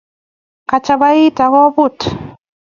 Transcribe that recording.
Kachabaita akobut